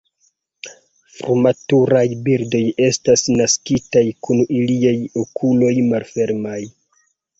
Frumaturaj birdoj estas naskitaj kun iliaj okuloj malfermaj.